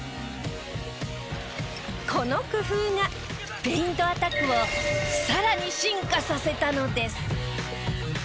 この工夫がペイントアタックをさらに進化させたのです。